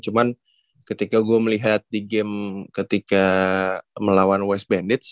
cuman ketika gue melihat di game ketika melawan west bandits